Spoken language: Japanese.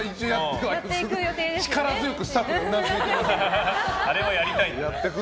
力強くスタッフもうなずいてる。